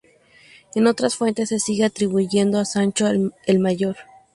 En otras fuentes se sigue atribuyendo a Sancho el Mayor.